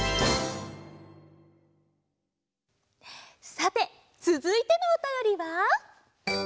さてつづいてのおたよりは。